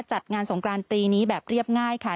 จัดงานสงกรานปีนี้แบบเรียบง่ายค่ะ